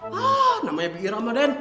hah namanya biira den